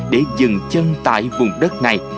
để dừng chân tại vùng đất này